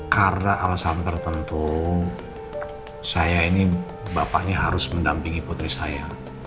karena alasan tertentu saya ini bapaknya harus mendampingi putri saya